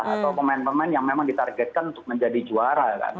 atau pemain pemain yang memang ditargetkan untuk menjadi juara kan